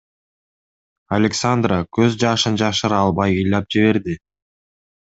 Александра көз жашын жашыра албай ыйлап жиберди.